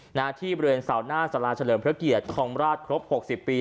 หน้าที่บริเวณเสาหน้าสาราเฉลิมพระเกียรติคองราชครบ๖๐ปี